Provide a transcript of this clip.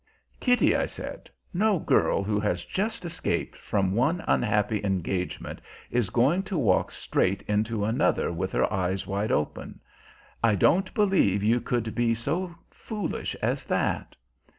"Kitty," I said, "no girl who has just escaped from one unhappy engagement is going to walk straight into another with her eyes wide open. I won't believe you could be so foolish as that."